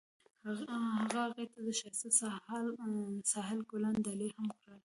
هغه هغې ته د ښایسته ساحل ګلان ډالۍ هم کړل.